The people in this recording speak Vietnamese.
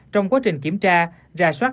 trong quá trình kiểm tra ra soát